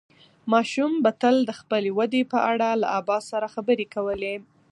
ماشوم به تل د خپلې ودې په اړه له ابا سره خبرې کولې.